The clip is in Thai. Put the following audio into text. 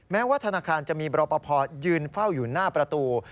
แม้ว่าธนาคารจะมีบรปภยืนเฝ้าอยู่หน้าประตู